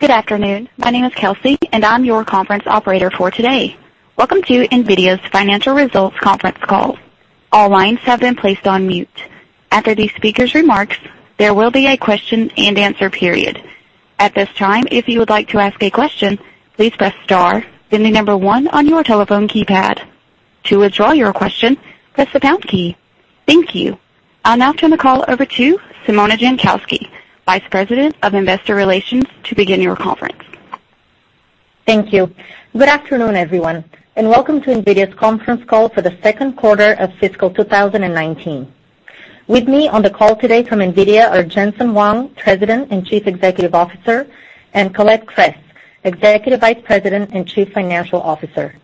Good afternoon. My name is Kelsey, and I'm your conference operator for today. Welcome to NVIDIA's Financial Results Conference Call. All lines have been placed on mute. After the speaker's remarks, there will be a question-and-answer period. At this time, if you would like to ask a question, please press star, then the number one on your telephone keypad. To withdraw your question, press the pound key. Thank you. I'll now turn the call over to Simona Jankowski, Vice President of Investor Relations, to begin your conference. Thank you. Good afternoon, everyone, and welcome to NVIDIA's conference call for the second quarter of fiscal 2019. With me on the call today from NVIDIA are Jensen Huang, President and Chief Executive Officer, and Colette Kress, Executive Vice President and Chief Financial Officer.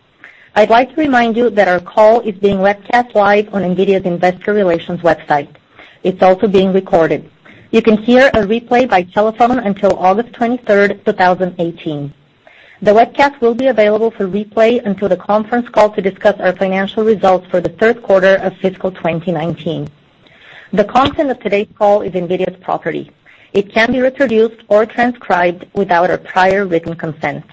I'd like to remind you that our call is being webcast live on NVIDIA's Investor Relations website. It's also being recorded. You can hear a replay by telephone until August 23rd, 2018. The webcast will be available for replay until the conference call to discuss our financial results for the third quarter of fiscal 2019. The content of today's call is NVIDIA's property. It can't be reproduced or transcribed without our prior written consent.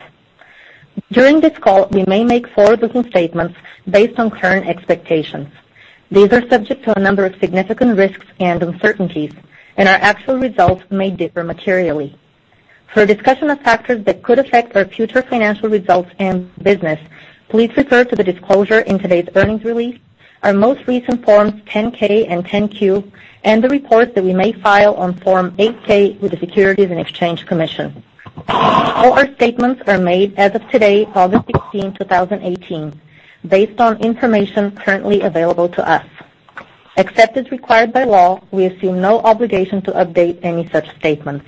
During this call, we may make forward-looking statements based on current expectations. These are subject to a number of significant risks and uncertainties, and our actual results may differ materially. For a discussion of factors that could affect our future financial results and business, please refer to the disclosure in today's earnings release, our most recent Forms 10-K and 10-Q, and the reports that we may file on Form 8-K with the Securities and Exchange Commission. All our statements are made as of today, August 16th, 2018, based on information currently available to us. Except as required by law, we assume no obligation to update any such statements.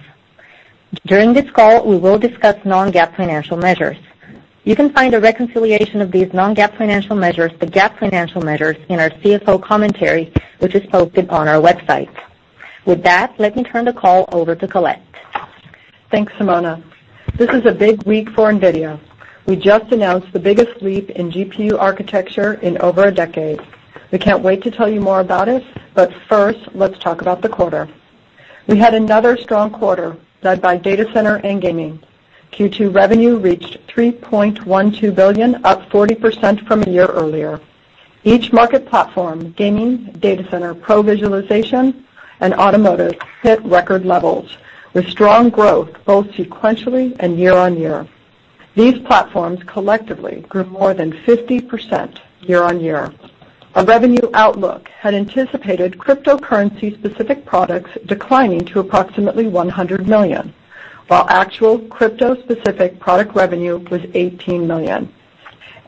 During this call, we will discuss non-GAAP financial measures. You can find a reconciliation of these non-GAAP financial measures to GAAP financial measures in our CFO commentary, which is posted on our website. With that, let me turn the call over to Colette. Thanks, Simona. This is a big week for NVIDIA. We just announced the biggest leap in GPU architecture in over a decade. We can't wait to tell you more about it, but first, let's talk about the quarter. We had another strong quarter led by Data Center and Gaming. Q2 revenue reached $3.12 billion, up 40% from a year earlier. Each market platform, Gaming, Data Center, Pro Visualization, and Automotive, hit record levels, with strong growth both sequentially and year-on-year. These platforms collectively grew more than 50% year-on-year. Our revenue outlook had anticipated cryptocurrency-specific products declining to approximately $100 million, while actual crypto-specific product revenue was $18 million,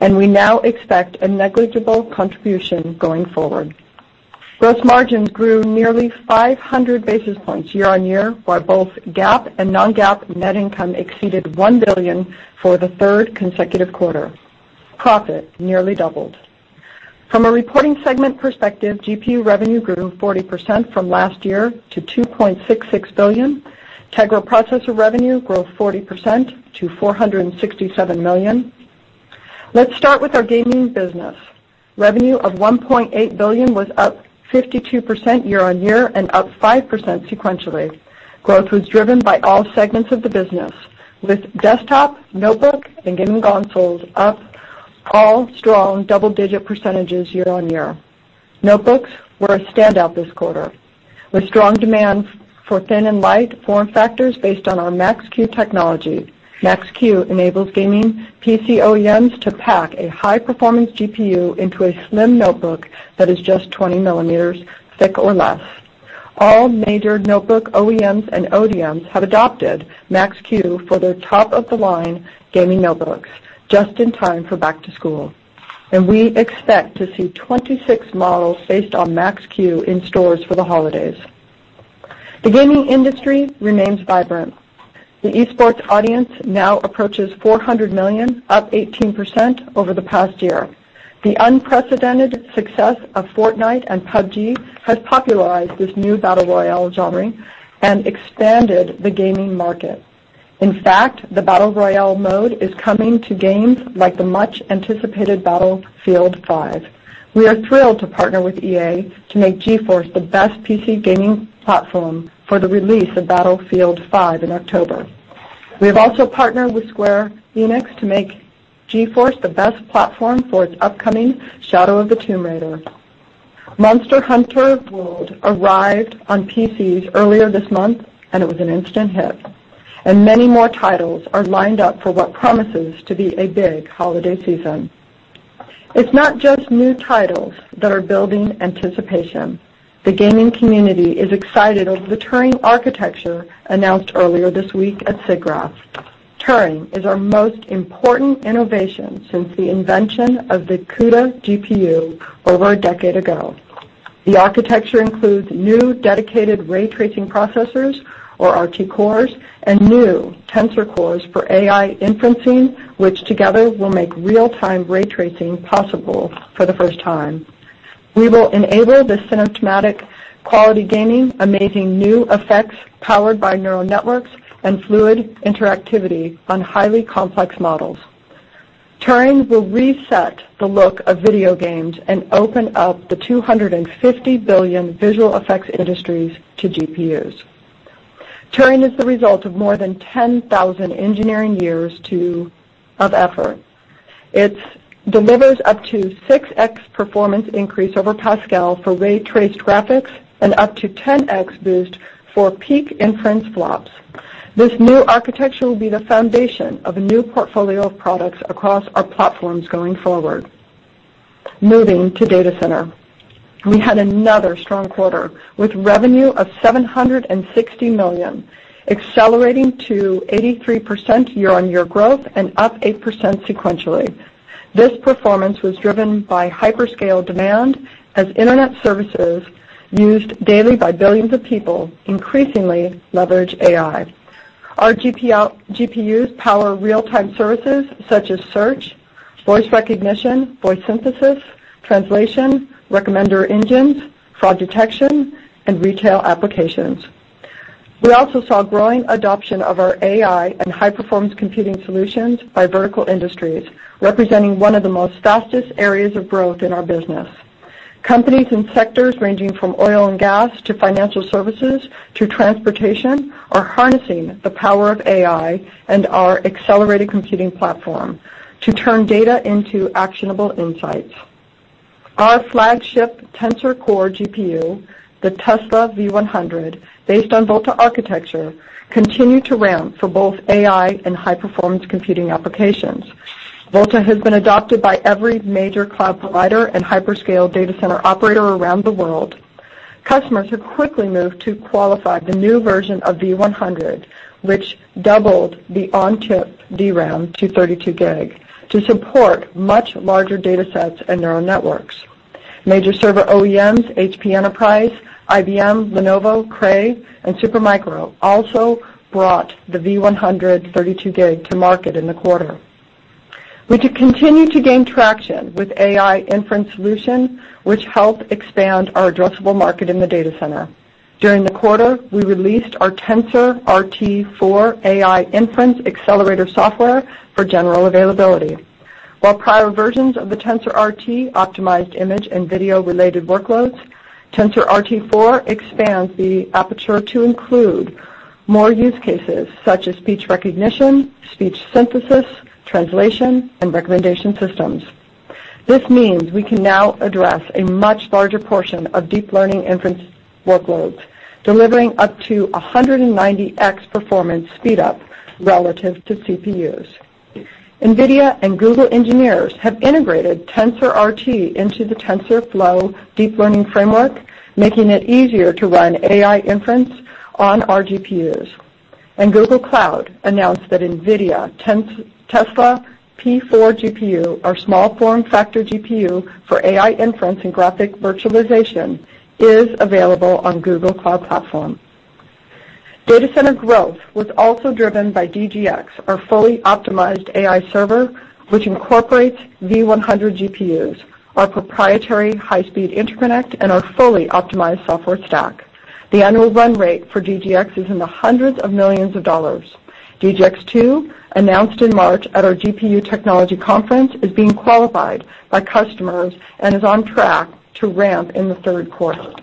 and we now expect a negligible contribution going forward. Gross margins grew nearly 500 basis points year-on-year, while both GAAP and non-GAAP net income exceeded $1 billion for the third consecutive quarter. Profit nearly doubled. From a reporting segment perspective, GPU revenue grew 40% from last year to $2.66 billion. Tegra processor revenue grew 40% to $467 million. Let's start with our gaming business. Revenue of $1.8 billion was up 52% year-on-year and up 5% sequentially. Growth was driven by all segments of the business, with desktop, notebook, and gaming consoles up all strong double-digit percentages year-on-year. Notebooks were a standout this quarter, with strong demand for thin and light form factors based on our Max-Q technology. Max-Q enables gaming PC OEMs to pack a high-performance GPU into a slim notebook that is just 20 millimeters thick or less. All major notebook OEMs and ODMs have adopted Max-Q for their top-of-the-line gaming notebooks, just in time for back to school, and we expect to see 26 models based on Max-Q in stores for the holidays. The gaming industry remains vibrant. The esports audience now approaches 400 million, up 18% over the past year. The unprecedented success of Fortnite and PUBG has popularized this new battle royale genre and expanded the gaming market. In fact, the battle royale mode is coming to games like the much-anticipated Battlefield V. We are thrilled to partner with EA to make GeForce the best PC gaming platform for the release of Battlefield V in October. We have also partnered with Square Enix to make GeForce the best platform for its upcoming Shadow of the Tomb Raider. Monster Hunter: World arrived on PCs earlier this month, and it was an instant hit, and many more titles are lined up for what promises to be a big holiday season. It's not just new titles that are building anticipation. The gaming community is excited over the Turing architecture announced earlier this week at SIGGRAPH. Turing is our most important innovation since the invention of the CUDA GPU over a decade ago. The architecture includes new dedicated ray tracing processors, or RT Cores, and new Tensor Cores for AI inferencing, which together will make real-time ray tracing possible for the first time. We will enable this cinematic quality gaming, amazing new effects powered by neural networks, and fluid interactivity on highly complex models. Turing will reset the look of video games and open up the $250 billion visual effects industries to GPUs. Turing is the result of more than 10,000 engineering years of effort. It delivers up to 6x performance increase over Pascal for ray traced graphics and up to 10x boost for peak inference FLOPs. This new architecture will be the foundation of a new portfolio of products across our platforms going forward. Moving to data center. We had another strong quarter, with revenue of $760 million, accelerating to 83% year-on-year growth and up 8% sequentially. This performance was driven by hyperscale demand as internet services used daily by billions of people increasingly leverage AI. Our GPUs power real-time services such as search, voice recognition, voice synthesis, translation, recommender engines, fraud detection, and retail applications. We also saw growing adoption of our AI and high-performance computing solutions by vertical industries, representing one of the most fastest areas of growth in our business. Companies and sectors ranging from oil and gas, to financial services, to transportation, are harnessing the power of AI and our accelerated computing platform to turn data into actionable insights. Our flagship Tensor Core GPU, the Tesla V100, based on Volta architecture, continued to ramp for both AI and high-performance computing applications. Volta has been adopted by every major cloud provider and hyperscale data center operator around the world. Customers have quickly moved to qualify the new version of V100, which doubled the on-chip DRAM to 32 gig to support much larger data sets and neural networks. Major server OEMs, Hewlett Packard Enterprise, IBM, Lenovo, Cray, and Supermicro, also brought the V100 32 gig to market in the quarter. We continue to gain traction with AI inference solutions, which help expand our addressable market in the data center. During the quarter, we released our TensorRT 4 AI inference accelerator software for general availability. While prior versions of the TensorRT optimized image and video-related workloads, TensorRT 4 expands the aperture to include more use cases such as speech recognition, speech synthesis, translation, and recommendation systems. This means we can now address a much larger portion of deep learning inference workloads, delivering up to 190x performance speed-up relative to CPUs. NVIDIA and Google engineers have integrated TensorRT into the TensorFlow deep learning framework, making it easier to run AI inference on our GPUs. Google Cloud announced that NVIDIA Tesla P4 GPU, our small form factor GPU for AI inference and graphic virtualization, is available on Google Cloud Platform. Data center growth was also driven by DGX, our fully optimized AI server, which incorporates V100 GPUs, our proprietary high-speed interconnect, and our fully optimized software stack. The annual run rate for DGX is in the hundreds of millions of dollars. DGX 2, announced in March at our GPU technology conference, is being qualified by customers and is on track to ramp in the third quarter.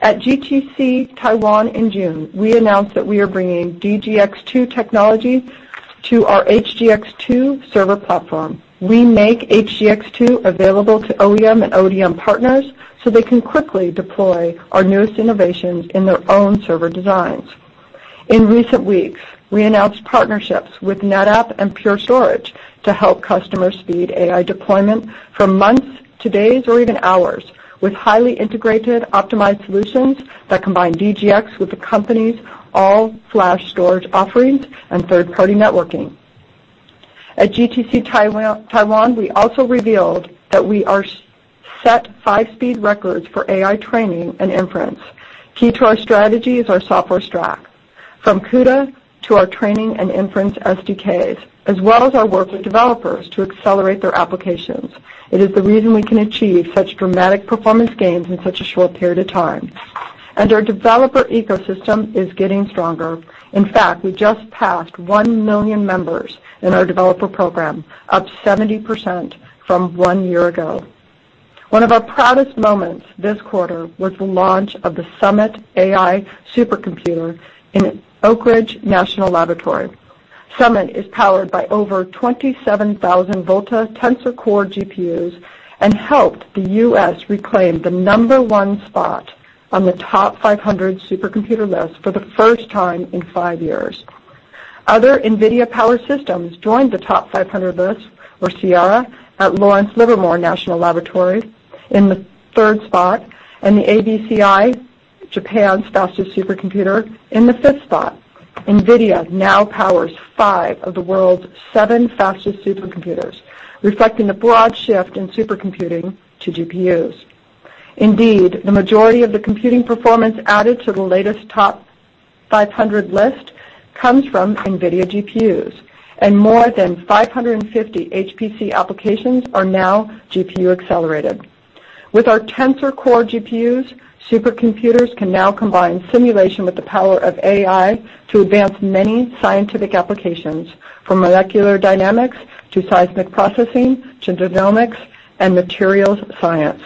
At GTC Taiwan in June, we announced that we are bringing DGX 2 technology to our HGX 2 server platform. We make HGX 2 available to OEM and ODM partners so they can quickly deploy our newest innovations in their own server designs. In recent weeks, we announced partnerships with NetApp and Pure Storage to help customers speed AI deployment from months to days or even hours with highly integrated, optimized solutions that combine DGX with the company's all-flash storage offerings and third-party networking. At GTC Taiwan, we also revealed that we set five speed records for AI training and inference. Key to our strategy is our software stack. From CUDA to our training and inference SDKs, as well as our work with developers to accelerate their applications. It is the reason we can achieve such dramatic performance gains in such a short period of time. Our developer ecosystem is getting stronger. In fact, we just passed one million members in our developer program, up 70% from one year ago. One of our proudest moments this quarter was the launch of the Summit AI Supercomputer in Oak Ridge National Laboratory. Summit is powered by over 27,000 Volta Tensor Core GPUs and helped the U.S. reclaim the number one spot on the TOP500 supercomputer list for the first time in five years. Other NVIDIA-powered systems joined the TOP500 list, were Sierra at Lawrence Livermore National Laboratory in the third spot, and the ABCI, Japan's fastest supercomputer, in the fifth spot. NVIDIA now powers five of the world's seven fastest supercomputers, reflecting the broad shift in supercomputing to GPUs. Indeed, the majority of the computing performance added to the latest TOP500 list comes from NVIDIA GPUs, and more than 550 HPC applications are now GPU accelerated. With our Tensor Core GPUs, supercomputers can now combine simulation with the power of AI to advance many scientific applications, from molecular dynamics to seismic processing to genomics and materials science.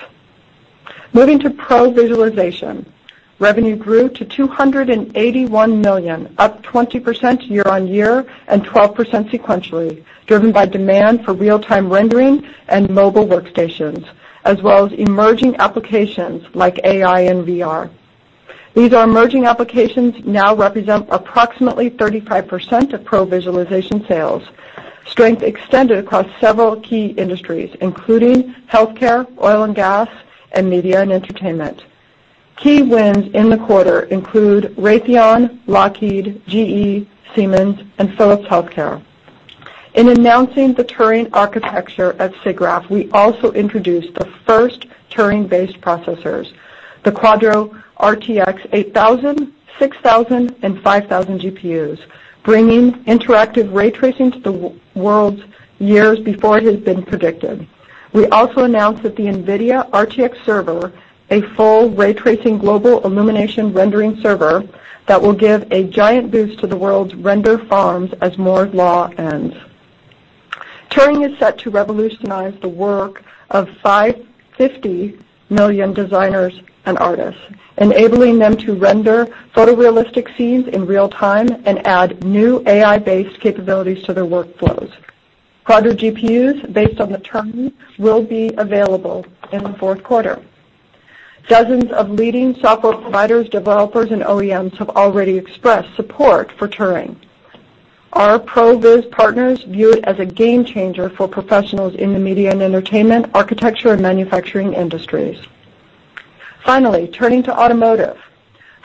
Moving to pro visualization, revenue grew to $281 million, up 20% year-on-year and 12% sequentially, driven by demand for real-time rendering and mobile workstations, as well as emerging applications like AI and VR. These emerging applications now represent approximately 35% of pro visualization sales. Strength extended across several key industries, including healthcare, oil and gas, and media and entertainment. Key wins in the quarter include Raytheon, Lockheed, GE, Siemens, and Philips Healthcare. In announcing the Turing Architecture at SIGGRAPH, we also introduced the first Turing-based processors, the Quadro RTX 8000, 6000, and 5000 GPUs, bringing interactive ray tracing to the world years before it has been predicted. We also announced the NVIDIA RTX Server, a full ray tracing global illumination rendering server that will give a giant boost to the world's render farms as Moore's Law ends. Turing is set to revolutionize the work of 550 million designers and artists, enabling them to render photorealistic scenes in real time and add new AI-based capabilities to their workflows. Quadro GPUs based on the Turing will be available in the fourth quarter. Dozens of leading software providers, developers, and OEMs have already expressed support for Turing. Our Pro Viz partners view it as a game changer for professionals in the media and entertainment, architecture, and manufacturing industries. Finally, turning to automotive.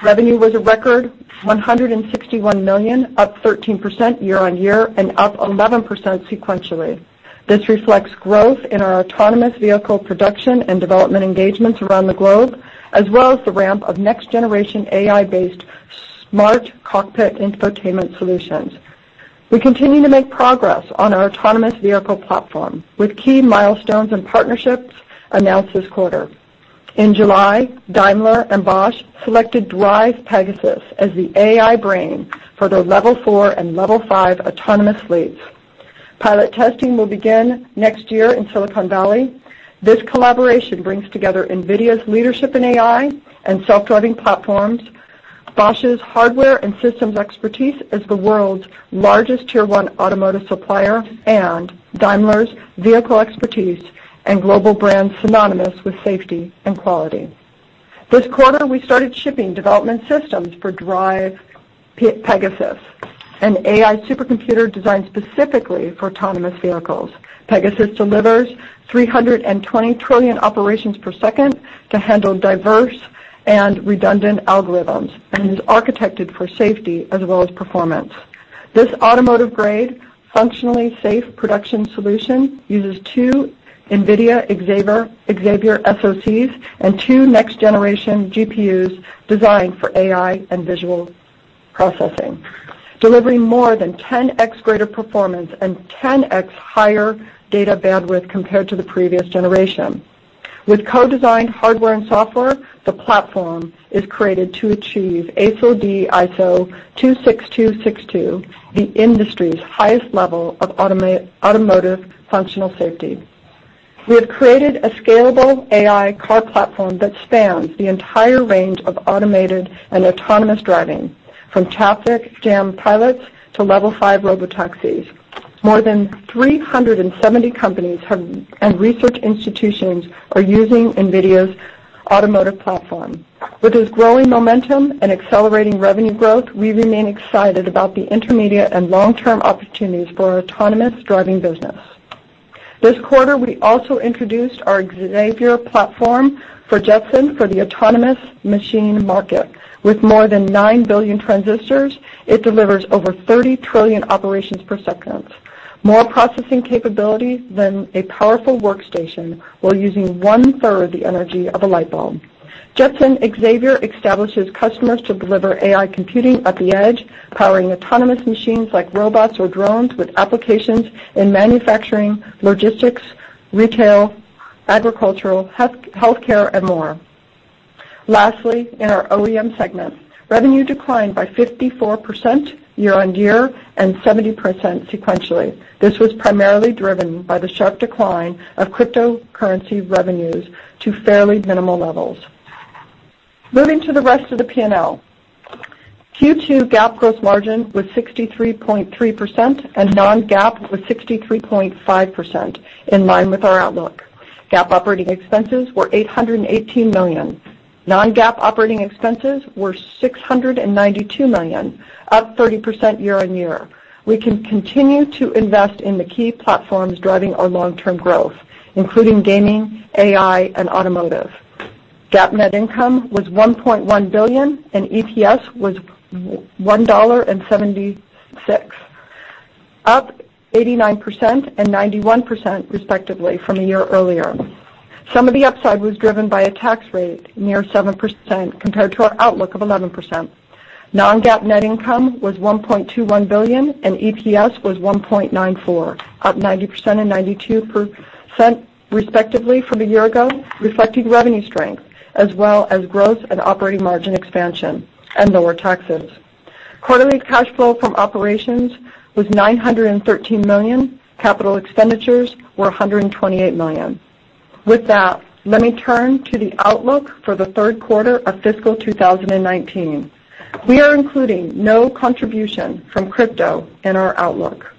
Revenue was a record $161 million, up 13% year-on-year and up 11% sequentially. This reflects growth in our autonomous vehicle production and development engagements around the globe, as well as the ramp of next generation AI-based smart cockpit infotainment solutions. We continue to make progress on our autonomous vehicle platform, with key milestones and partnerships announced this quarter. In July, Daimler and Bosch selected DRIVE Pegasus as the AI brain for their Level 4 and Level 5 autonomous fleets. Pilot testing will begin next year in Silicon Valley. This collaboration brings together NVIDIA's leadership in AI and self-driving platforms, Bosch's hardware and systems expertise as the world's largest Tier 1 automotive supplier, and Daimler's vehicle expertise and global brand synonymous with safety and quality. This quarter, we started shipping development systems for DRIVE Pegasus, an AI supercomputer designed specifically for autonomous vehicles. Pegasus delivers 320 trillion operations per second to handle diverse and redundant algorithms and is architected for safety as well as performance. This automotive-grade, functionally safe production solution uses two NVIDIA Xavier SoCs and two next-generation GPUs designed for AI and visual processing, delivering more than 10x greater performance and 10x higher data bandwidth compared to the previous generation. With co-designed hardware and software, the platform is created to achieve ASIL D ISO 26262, the industry's highest level of automotive functional safety. We have created a scalable AI car platform that spans the entire range of automated and autonomous driving, from traffic jam pilots to Level 5 robotaxis. More than 370 companies and research institutions are using NVIDIA's automotive platform. With this growing momentum and accelerating revenue growth, we remain excited about the intermediate and long-term opportunities for our autonomous driving business. This quarter, we also introduced our Xavier platform for Jetson for the autonomous machine market. With more than nine billion transistors, it delivers over 30 trillion operations per second, more processing capability than a powerful workstation, while using one-third the energy of a light bulb. Jetson Xavier enables customers to deliver AI computing at the edge, powering autonomous machines like robots or drones with applications in manufacturing, logistics, retail, agricultural, healthcare, and more. Lastly, in our OEM segment, revenue declined by 54% year-over-year and 70% sequentially. This was primarily driven by the sharp decline of cryptocurrency revenues to fairly minimal levels. Moving to the rest of the P&L. Q2 GAAP gross margin was 63.3% and non-GAAP was 63.5%, in line with our outlook. GAAP operating expenses were $818 million. Non-GAAP operating expenses were $692 million, up 30% year-over-year. We can continue to invest in the key platforms driving our long-term growth, including gaming, AI, and automotive. GAAP net income was $1.1 billion and EPS was $1.76. Up 89% and 91%, respectively, from a year earlier. Some of the upside was driven by a tax rate near 7% compared to our outlook of 11%. Non-GAAP net income was $1.21 billion, and EPS was $1.94, up 90% and 92%, respectively, from a year ago, reflecting revenue strength as well as growth and operating margin expansion and lower taxes. Quarterly cash flow from operations was $913 million, capital expenditures were $128 million. With that, let me turn to the outlook for the third quarter of fiscal 2019. We are including no contribution from crypto in our outlook.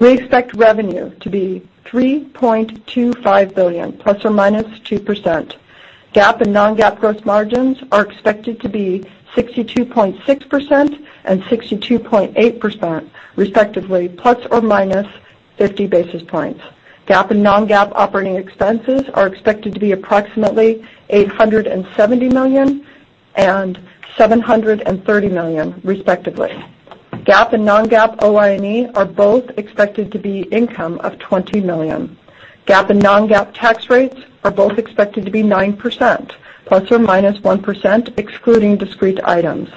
We expect revenue to be $3.25 billion ±2%. GAAP and non-GAAP gross margins are expected to be 62.6% and 62.8%, respectively, ±50 basis points. GAAP and non-GAAP operating expenses are expected to be approximately $870 million and $730 million, respectively. GAAP and non-GAAP OI&E are both expected to be income of $20 million. GAAP and non-GAAP tax rates are both expected to be 9% ±1%, excluding discrete items.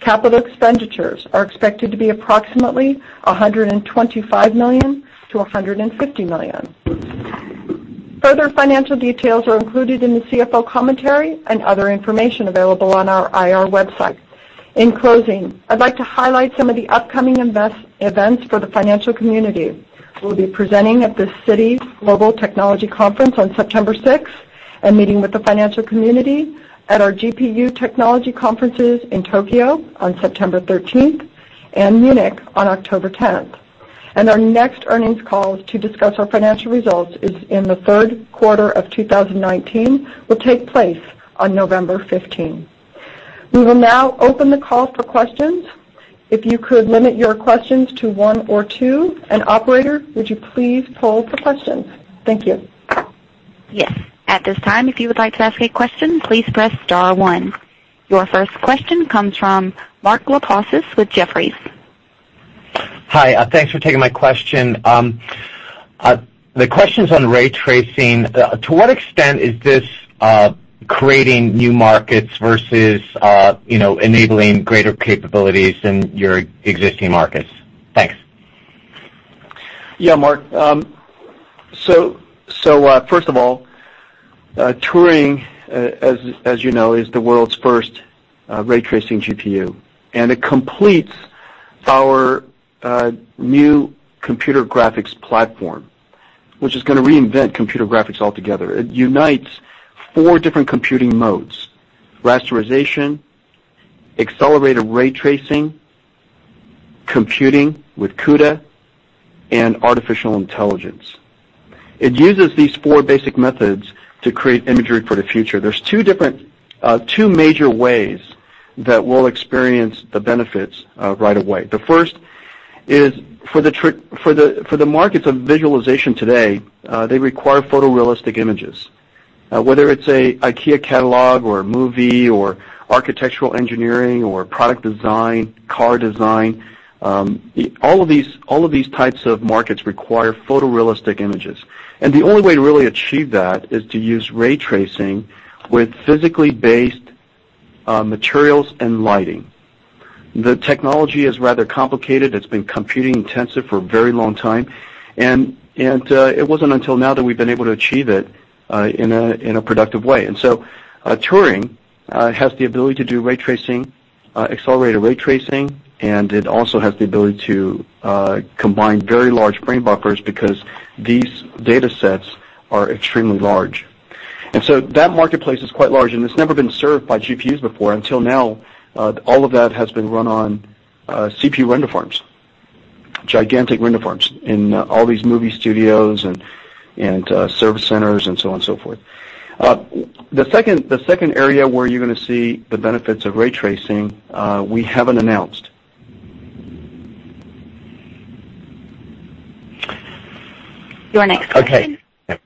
Capital expenditures are expected to be approximately $125 million-$150 million. Further financial details are included in the CFO commentary and other information available on our IR website. In closing, I'd like to highlight some of the upcoming events for the financial community. We'll be presenting at the Citi's Global Technology Conference on September 6th and meeting with the financial community at our GPU technology conferences in Tokyo on September 13th and Munich on October 10th. Our next earnings call to discuss our financial results is in the third quarter of 2019, will take place on November 15. We will now open the call for questions. If you could limit your questions to one or two. Operator, would you please poll for questions? Thank you. Yes. At this time, if you would like to ask a question, please press star one. Your first question comes from Mark Lipacis with Jefferies. Hi. Thanks for taking my question. The question's on ray tracing. To what extent is this creating new markets versus enabling greater capabilities in your existing markets? Thanks. Yeah, Mark. First of all, Turing, as you know, is the world's first ray tracing GPU, and it completes our new computer graphics platform, which is going to reinvent computer graphics altogether. It unites four different computing modes: rasterization, accelerated ray tracing, computing with CUDA, and artificial intelligence. It uses these four basic methods to create imagery for the future. There's two major ways that we'll experience the benefits right away. The first is for the markets of visualization today, they require photorealistic images, whether it's an IKEA catalog or a movie or architectural engineering or product design, car design. All of these types of markets require photorealistic images, and the only way to really achieve that is to use ray tracing with physically based materials and lighting. The technology is rather complicated. It's been computing-intensive for a very long time, and it wasn't until now that we've been able to achieve it in a productive way. Turing has the ability to do ray tracing, accelerated ray tracing, and it also has the ability to combine very large frame buffers because these data sets are extremely large. That marketplace is quite large, and it's never been served by GPUs before. Until now, all of that has been run on CPU render farms, gigantic render farms in all these movie studios and service centers and so on and so forth. The second area where you're going to see the benefits of ray tracing, we haven't announced. Your next question. Okay.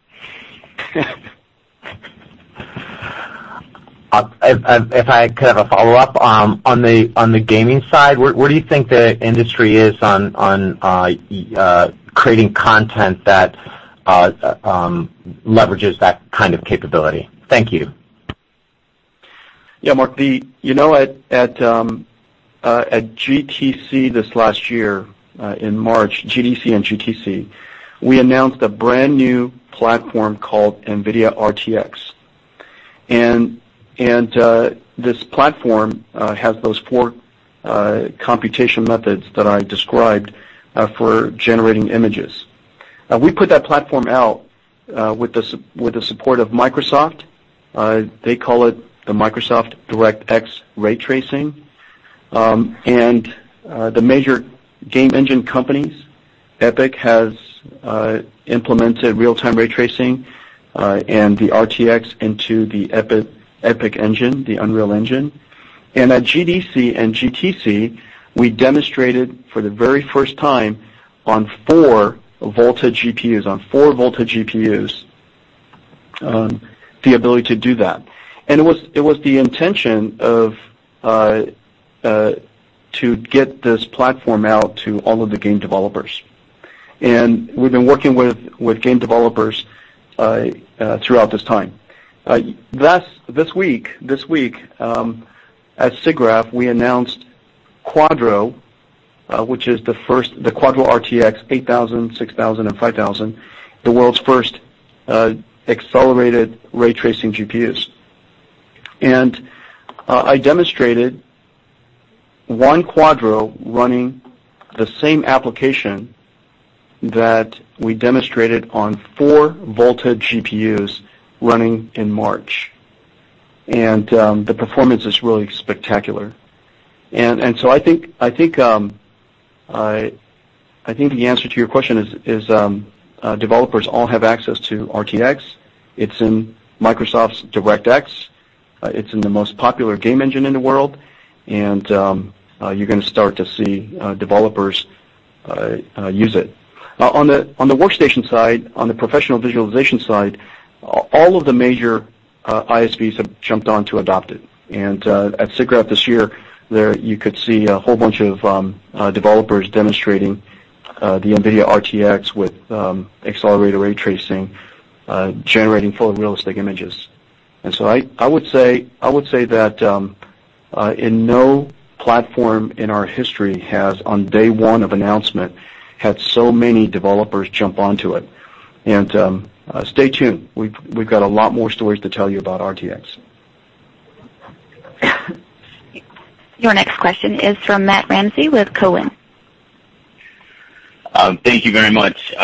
If I could have a follow-up. On the gaming side, where do you think the industry is on creating content that leverages that kind of capability? Thank you. Yeah, Mark. At GTC this last year in March, GDC and GTC, we announced a brand-new platform called NVIDIA RTX. This platform has those four computation methods that I described for generating images. We put that platform out with the support of Microsoft. They call it the Microsoft DirectX Raytracing. The major game engine companies, Epic has implemented real-time ray tracing and the RTX into the Epic Engine, the Unreal Engine. At GDC and GTC, we demonstrated for the very first time on four Volta GPUs On the ability to do that. It was the intention to get this platform out to all of the game developers. We've been working with game developers throughout this time. This week, at SIGGRAPH, we announced Quadro, which is the first, the NVIDIA Quadro RTX 8000, 6000, and 5000, the world's first accelerated ray tracing GPUs. I demonstrated one Quadro running the same application that we demonstrated on four Volta GPUs running in March. The performance is really spectacular. So I think the answer to your question is, developers all have access to RTX. It's in Microsoft's DirectX. It's in the most popular game engine in the world. You're going to start to see developers use it. On the workstation side, on the professional visualization side, all of the major ISVs have jumped on to adopt it. At SIGGRAPH this year, there you could see a whole bunch of developers demonstrating the NVIDIA RTX with accelerated ray tracing, generating photorealistic images. I would say that in no platform in our history has, on day one of announcement, had so many developers jump onto it. Stay tuned. We've got a lot more stories to tell you about RTX. Your next question is from Matthew Ramsay with Cowen. Thank you very much.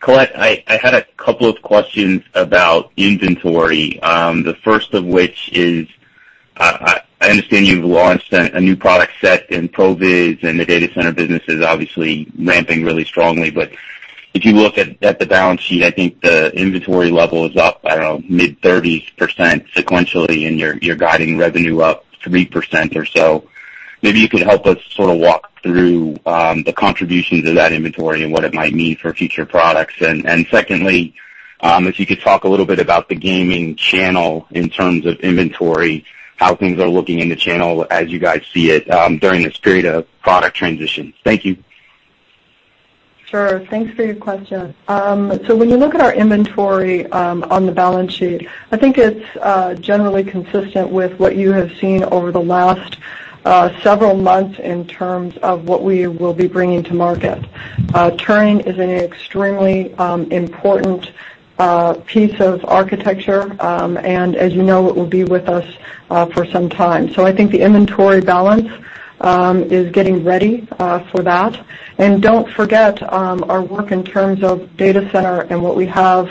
Colette, I had a couple of questions about inventory. The first of which is, I understand you've launched a new product set in Pro Viz and the data center business is obviously ramping really strongly. If you look at the balance sheet, I think the inventory level is up, I don't know, mid-30% sequentially, and you're guiding revenue up 3% or so. Maybe you could help us sort of walk through the contributions of that inventory and what it might mean for future products. Secondly, if you could talk a little bit about the gaming channel in terms of inventory, how things are looking in the channel as you guys see it during this period of product transition. Thank you. Sure. Thanks for your question. When you look at our inventory on the balance sheet, I think it's generally consistent with what you have seen over the last several months in terms of what we will be bringing to market. Turing is an extremely important piece of architecture. As you know, it will be with us for some time. I think the inventory balance is getting ready for that. Don't forget, our work in terms of data center and what we have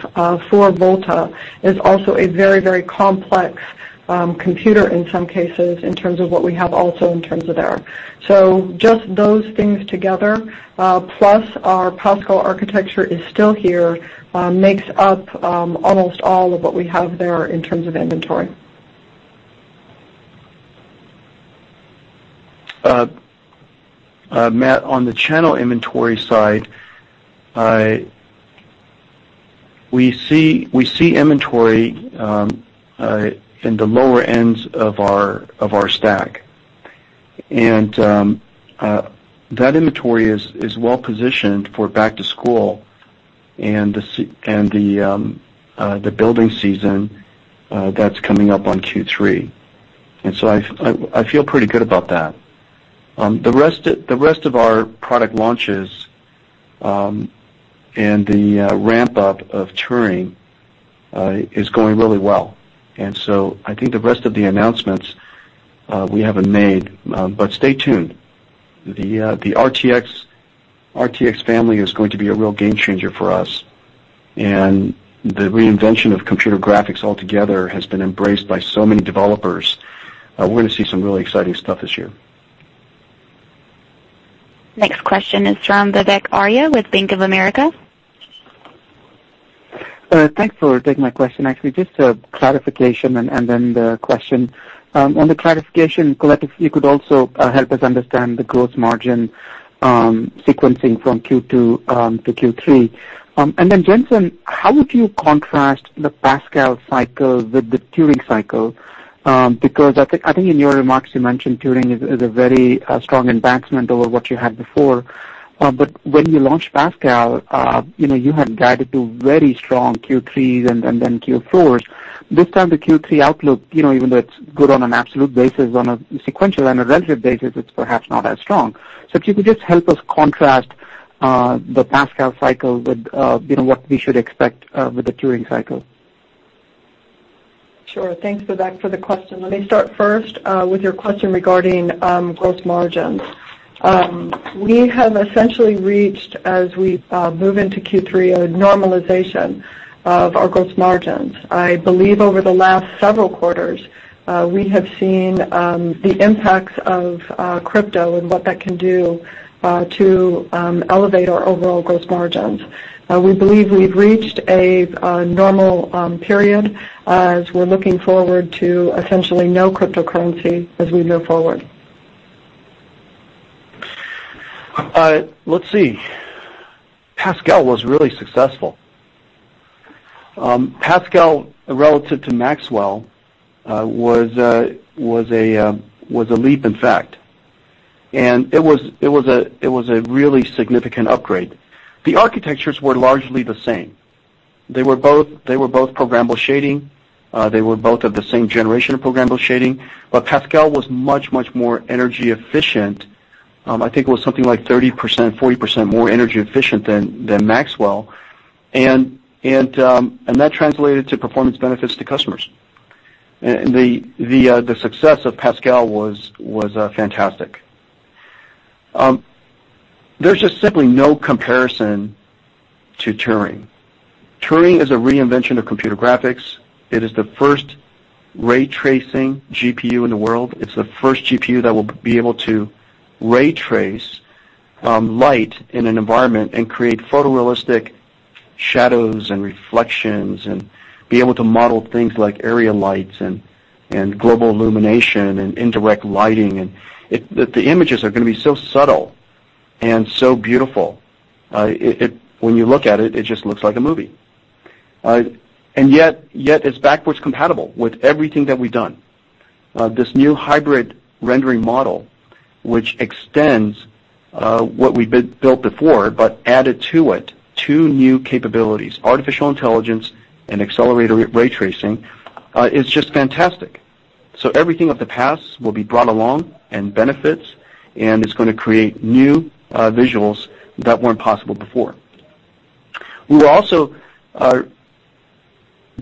for Volta is also a very complex computer in some cases, in terms of what we have also in terms of there. Just those things together, plus our Pascal architecture is still here, makes up almost all of what we have there in terms of inventory. Matt, on the channel inventory side, we see inventory in the lower ends of our stack. That inventory is well-positioned for back to school and the building season that is coming up on Q3. I feel pretty good about that. The rest of our product launches and the ramp-up of Turing is going really well. I think the rest of the announcements we haven't made, but stay tuned. The RTX family is going to be a real game changer for us, and the reinvention of computer graphics altogether has been embraced by so many developers. We are going to see some really exciting stuff this year. Next question is from Vivek Arya with Bank of America. Thanks for taking my question. Actually, just a clarification and then the question. On the clarification, Colette, if you could also help us understand the gross margin sequencing from Q2 to Q3. Then, Jensen, how would you contrast the Pascal cycle with the Turing cycle? I think in your remarks, you mentioned Turing is a very strong advancement over what you had before. When you launched Pascal, you had guided to very strong Q3s and then Q4s. This time, the Q3 outlook, even though it is good on an absolute basis, on a sequential and a relative basis, it is perhaps not as strong. If you could just help us contrast the Pascal cycle with what we should expect with the Turing cycle. Sure. Thanks, Vivek, for the question. Let me start first with your question regarding gross margins. We have essentially reached, as we move into Q3, a normalization of our gross margins. I believe over the last several quarters, we have seen the impacts of crypto and what that can do to elevate our overall gross margins. We believe we've reached a normal period as we're looking forward to essentially no cryptocurrency as we move forward. Let's see. Pascal was really successful. Pascal, relative to Maxwell, was a leap, in fact, and it was a really significant upgrade. The architectures were largely the same. They were both programmable shading. They were both of the same generation of programmable shading, but Pascal was much, much more energy efficient. I think it was something like 30%, 40% more energy efficient than Maxwell, and that translated to performance benefits to customers. The success of Pascal was fantastic. There's just simply no comparison to Turing. Turing is a reinvention of computer graphics. It is the first ray tracing GPU in the world. It's the first GPU that will be able to ray trace light in an environment and create photorealistic shadows and reflections, and be able to model things like area lights and global illumination and indirect lighting. The images are going to be so subtle and so beautiful. When you look at it just looks like a movie. Yet, it's backwards compatible with everything that we've done. This new hybrid rendering model, which extends what we built before, but added to it two new capabilities, artificial intelligence and accelerated ray tracing, is just fantastic. Everything of the past will be brought along and benefits, and it's going to create new visuals that weren't possible before. We also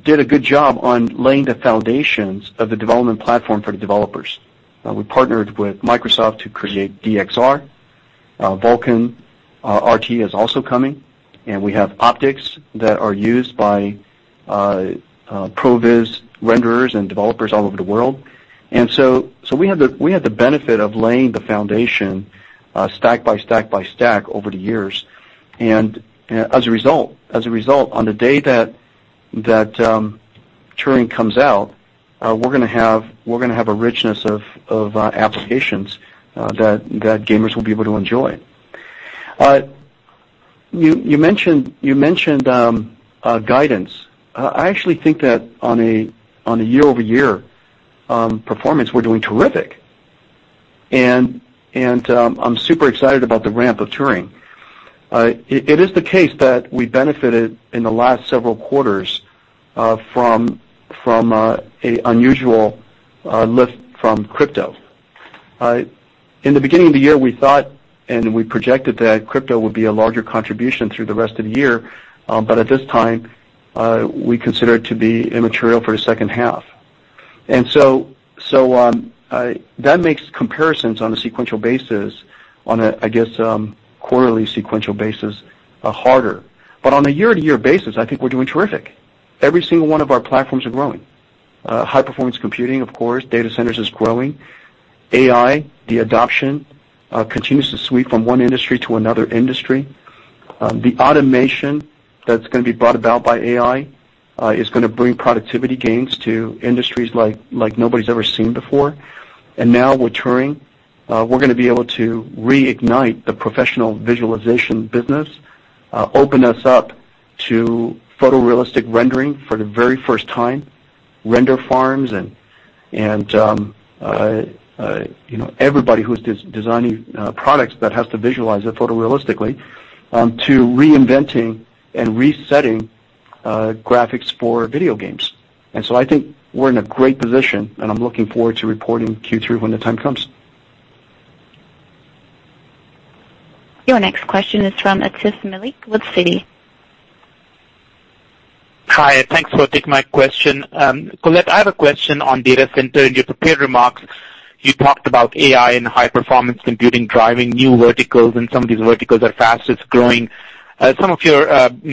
did a good job on laying the foundations of the development platform for the developers. We partnered with Microsoft to create DXR. Vulkan RT is also coming, and we have OptiX that are used by Pro Viz renderers and developers all over the world. We had the benefit of laying the foundation stack by stack by stack over the years. As a result, on the day that Turing comes out, we're going to have a richness of applications that gamers will be able to enjoy. You mentioned guidance. I actually think that on a year-over-year performance, we're doing terrific, and I'm super excited about the ramp of Turing. It is the case that we benefited in the last several quarters from a unusual lift from crypto. In the beginning of the year, we thought and we projected that crypto would be a larger contribution through the rest of the year. At this time, we consider it to be immaterial for the second half. That makes comparisons on a sequential basis on a, I guess, quarterly sequential basis, harder. On a year-to-year basis, I think we're doing terrific. Every single one of our platforms are growing. High-performance computing, of course, data centers is growing. AI, the adoption continues to sweep from one industry to another industry. The automation that's going to be brought about by AI is going to bring productivity gains to industries like nobody's ever seen before. Now with Turing, we're going to be able to reignite the professional visualization business, open us up to photorealistic rendering for the very first time, render farms and everybody who's designing products that has to visualize it photorealistically, to reinventing and resetting graphics for video games. I think we're in a great position, and I'm looking forward to reporting Q3 when the time comes. Your next question is from Atif Malik with Citi. Hi, thanks for taking my question. Colette, I have a question on data center. In your prepared remarks, you talked about AI and high-performance computing driving new verticals. Some of these verticals are fastest-growing. Some of your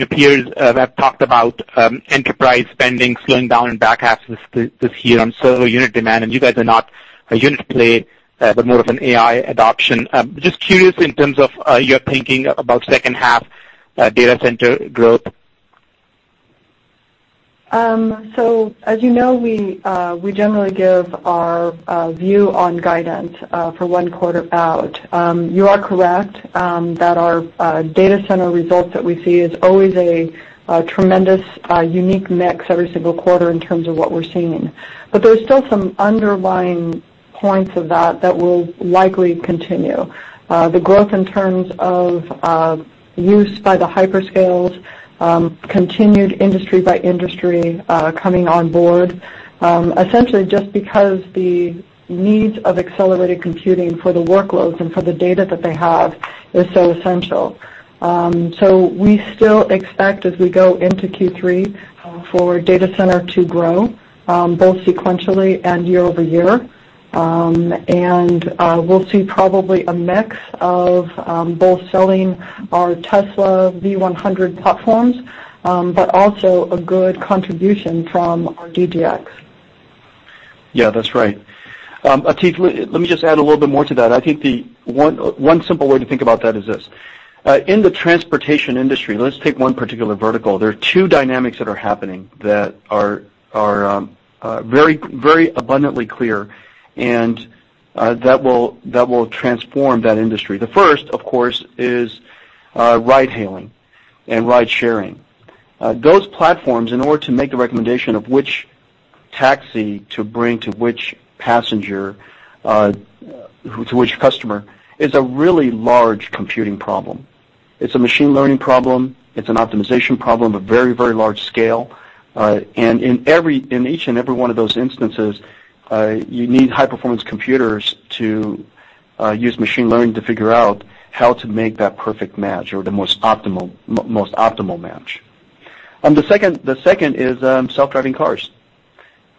peers have talked about enterprise spending slowing down in back half this year on server unit demand. You guys are not a unit play, but more of an AI adoption. Just curious in terms of your thinking about second half data center growth. As you know, we generally give our view on guidance for one quarter out. You are correct that our data center results that we see is always a tremendous, unique mix every single quarter in terms of what we're seeing. There's still some underlying points of that that will likely continue. The growth in terms of use by the hyperscales, continued industry by industry coming on board, essentially just because the needs of accelerated computing for the workloads and for the data that they have is so essential. We still expect as we go into Q3 for data center to grow, both sequentially and year-over-year. We'll see probably a mix of both selling our Tesla V100 platforms, but also a good contribution from our DGX. Yeah, that's right. Atif, let me just add a little bit more to that. I think the one simple way to think about that is this. In the transportation industry, let's take one particular vertical. There are two dynamics that are happening that are very abundantly clear, and that will transform that industry. The first, of course, is ride hailing and ride sharing. Those platforms, in order to make the recommendation of which taxi to bring to which passenger, to which customer, is a really large computing problem. It's a machine learning problem. It's an optimization problem of very large scale. In each and every one of those instances, you need high-performance computers to use machine learning to figure out how to make that perfect match or the most optimal match. The second is self-driving cars.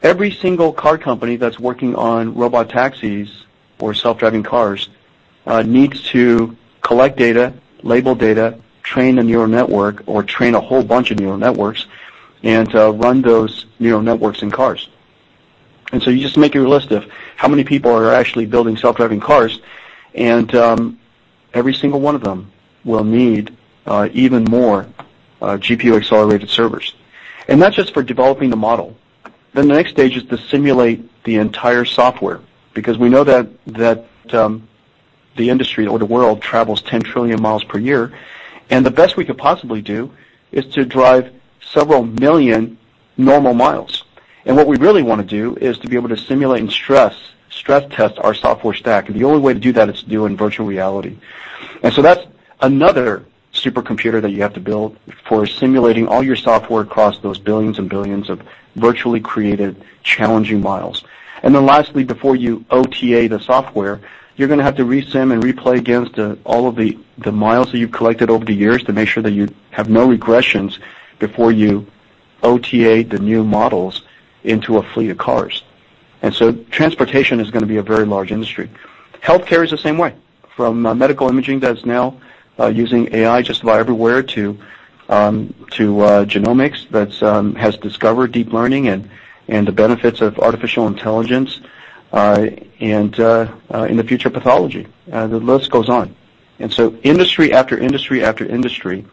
Every single car company that's working on robot taxis or self-driving cars needs to collect data, label data, train a neural network, or train a whole bunch of neural networks, and run those neural networks in cars. You just make your list of how many people are actually building self-driving cars, and every single one of them will need even more GPU-accelerated servers. Not just for developing the model. The next stage is to simulate the entire software, because we know that the industry or the world travels 10 trillion miles per year, and the best we could possibly do is to drive several million normal miles. What we really want to do is to be able to simulate and stress test our software stack, and the only way to do that is to do it in virtual reality. That's another supercomputer that you have to build for simulating all your software across those billions and billions of virtually created challenging miles. Lastly, before you OTA the software, you're going to have to resim and replay against all of the miles that you've collected over the years to make sure that you have no regressions before you OTA the new models into a fleet of cars. Transportation is going to be a very large industry. Healthcare is the same way, from medical imaging that is now using AI just about everywhere, to genomics that has discovered deep learning and the benefits of artificial intelligence, and in the future, pathology. The list goes on. Industry after industry after industry,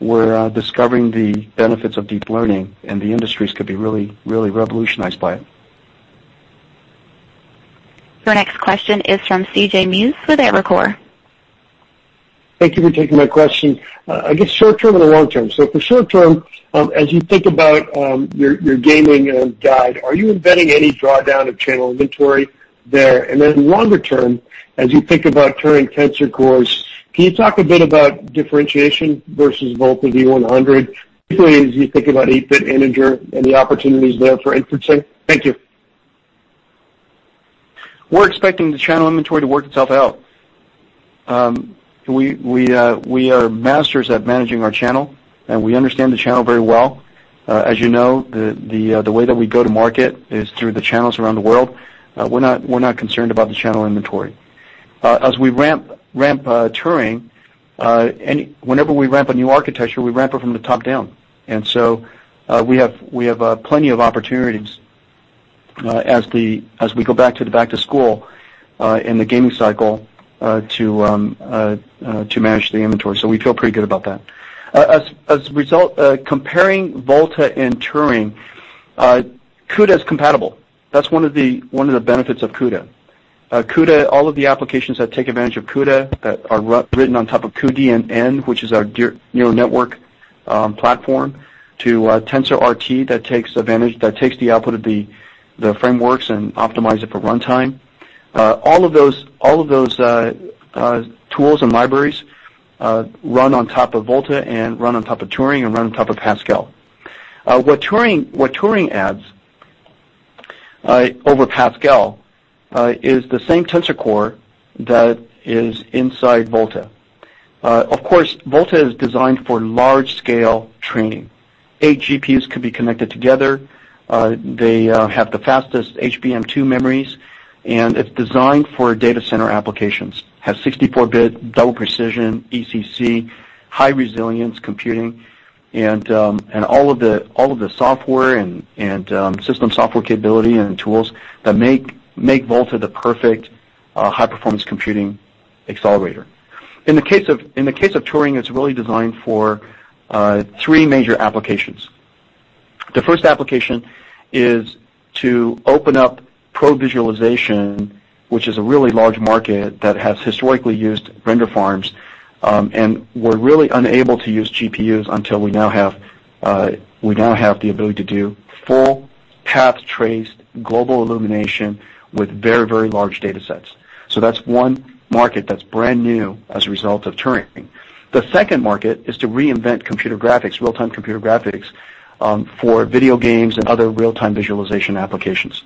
we're discovering the benefits of deep learning, and the industries could be really revolutionized by it. Your next question is from C.J. Muse with Evercore. Thank you for taking my question. I guess short term and the long term. For short term, as you think about your gaming guide, are you embedding any drawdown of channel inventory there? Longer term, as you think about Turing Tensor Cores, can you talk a bit about differentiation versus Volta V100, particularly as you think about 8-bit integer and the opportunities there for inferencing? Thank you. We're expecting the channel inventory to work itself out. We are masters at managing our channel, and we understand the channel very well. As you know, the way that we go to market is through the channels around the world. We're not concerned about the channel inventory. As we ramp Turing, whenever we ramp a new architecture, we ramp it from the top down. So we have plenty of opportunities as we go back to school in the gaming cycle to manage the inventory. We feel pretty good about that. As a result, comparing Volta and Turing, CUDA is compatible. That's one of the benefits of CUDA. All of the applications that take advantage of CUDA that are written on top of cuDNN, which is our neural network platform, to TensorRT, that takes the output of the frameworks and optimize it for runtime. All of those tools and libraries run on top of Volta and run on top of Turing and run on top of Pascal. What Turing adds over Pascal is the same Tensor Core that is inside Volta. Of course, Volta is designed for large-scale training. Eight GPUs could be connected together. They have the fastest HBM2 memories, and it's designed for data center applications. It has 64-bit double precision, ECC, high resilience computing, and all of the software and system software capability and tools that make Volta the perfect high-performance computing accelerator. In the case of Turing, it's really designed for three major applications. The first application is to open up pro visualization, which is a really large market that has historically used render farms, and were really unable to use GPUs until we now have the ability to do full path traced global illumination with very large datasets. That's one market that's brand new as a result of Turing. The second market is to reinvent computer graphics, real-time computer graphics, for video games and other real-time visualization applications.